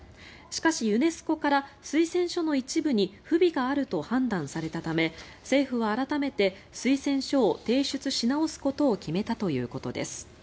しかし、ユネスコから推薦書の一部に不備があると判断されたため政府は改めて推薦書を提出し直すことを決めたということです。